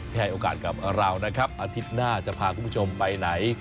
ให้โอกาสกับเรานะครับอาทิตย์หน้าจะพาคุณผู้ชมไปไหน